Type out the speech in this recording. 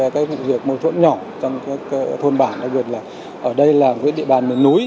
cái việc mối thuẫn nhỏ trong các thôn bản là việc là ở đây là cái địa bàn nối